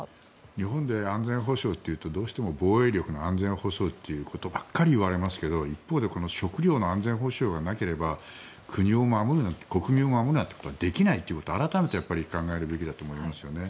日本で安全保障というとどうしても防衛力の安全保障ということばかり言われますが一方で食料の安全保障がなければ国を守る、国民を守るなんてことはできないと改めて考えるべきだと思いますね。